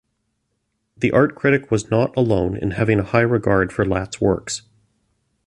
The art critic was not alone in having a high regard for Lat's works.